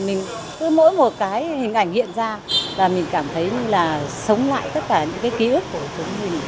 mình cứ mỗi một cái hình ảnh hiện ra và mình cảm thấy là sống lại tất cả những cái ký ức của cuộc sống mình